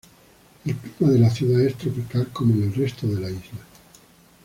El clima de la ciudad es tropical como en el resto de la isla.